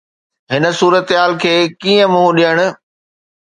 هن صورتحال کي ڪيئن منهن ڏيڻ؟